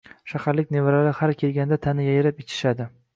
Shaharlik nevaralari har kelganida tani yayrab ichishadi